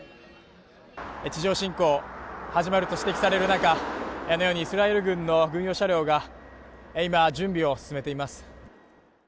地上侵攻が始まると指摘される中、あのようにイスラエル軍の軍用車両が今、準備を進めています。